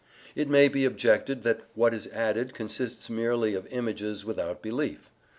It may be objected that what is added consists merely of images without belief.